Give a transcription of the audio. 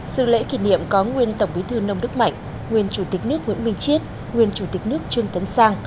sự lễ kỷ niệm có nguyên tổng bí thư nông đức mạnh nguyên chủ tịch nước nguyễn minh chiết nguyên chủ tịch nước trương tấn sang